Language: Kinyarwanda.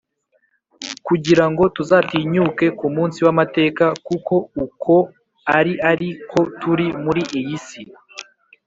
kugira ngo tuzatinyuke ku munsi w’amateka, kuko uko ari ari ko turi muri iyi si.